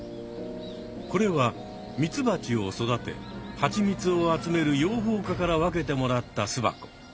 これはミツバチを育てハチミツを集める養蜂家から分けてもらった巣箱。